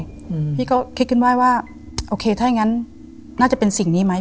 อืมพี่ก็คิดขึ้นไว้ว่าโอเคถ้าอย่างงั้นน่าจะเป็นสิ่งนี้ไหม